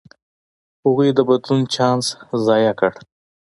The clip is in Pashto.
هغوی د بدلون چانس ضایع کړ.